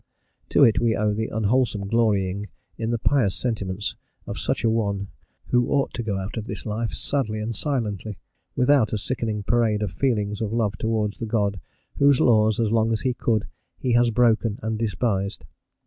To it we owe the unwholesome glorying in the pious sentiments of such an one, who ought to go out of this life sadly and silently, without a sickening parade of feelings of love towards the God whose laws, as long as he could, he has broken and despised.